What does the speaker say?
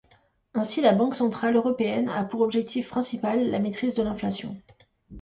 Ainsi, la Banque centrale européenne a pour objectif principal la maîtrise de l'inflation.